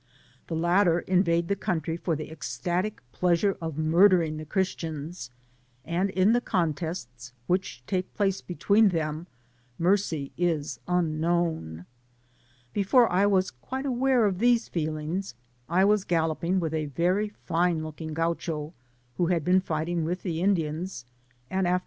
The latter invade the country for the ecstatic pleasure of mur dering the Christians, and in the contests which take place between them mercy is unknown. Be fore I was quite aware of these feelings, I was galloping with a very fine looking Gaucho, who had been fighting with the Indians, and after Digitized byGoogk 118 THE PAMPAS INDIANS.